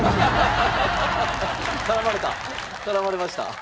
絡まれました。